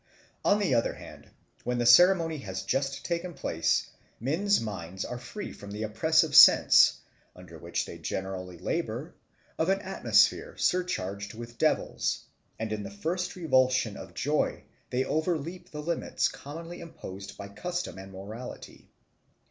On the other hand, when the ceremony has just taken place, men's minds are freed from the oppressive sense, under which they generally labour, of an atmosphere surcharged with devils; and in the first revulsion of joy they overleap the limits commonly imposed by custom and morality.